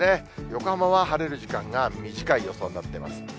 横浜は晴れる時間が短い予想になってます。